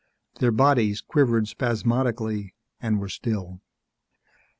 Their bodies quivered spasmodically and were still.